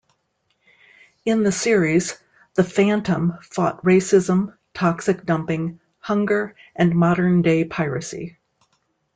In the series, the Phantom fought racism, toxic dumping, hunger and modern-day piracy.